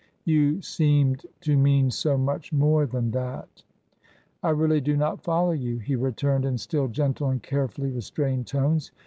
" You seemed to mean so much more than that !" "I really do not follow you," he returned, in still gentle and carefully restrained tones.